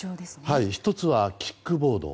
１つはキックボード。